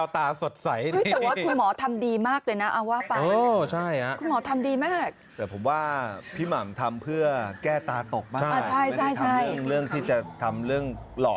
ถ้าพี่ม่ำทำเพื่อแก้ตาตกบ้างใช่ไม่ได้ทำเรื่องที่จะทำเรื่องหลอ